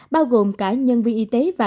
bao gồm cả nhân viên y tế và người dân